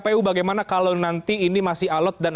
tentu saja zalim dibuat juga waar significantly